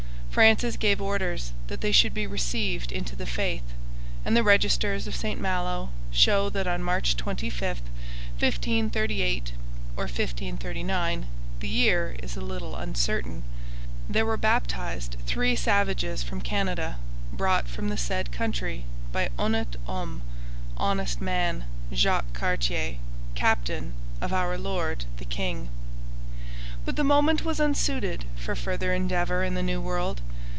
Francis gave orders that they should be received into the faith, and the registers of St Malo show that on March 25, 1538, or 1539 (the year is a little uncertain), there were baptized three savages from Canada brought from the said country by 'honnete homme [honest man], Jacques Cartier, captain of our Lord the King.' But the moment was unsuited for further endeavour in the New World.